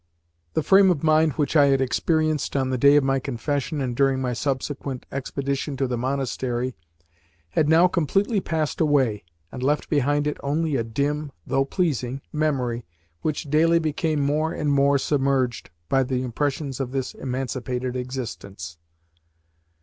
The frame of mind which I had experienced on the day of my confession and during my subsequent expedition to the monastery had now completely passed away, and left behind it only a dim, though pleasing, memory which daily became more and more submerged by the impressions of this emancipated existence.